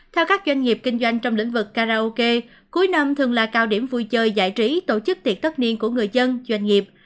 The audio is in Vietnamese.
theo các doanh nghiệp kinh doanh trong lĩnh vực karaoke cuối năm thường là cao điểm vui chơi giải trí tổ chức tiệc tất niên của người dân doanh nghiệp